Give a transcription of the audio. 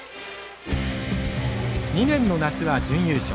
２年の夏は準優勝。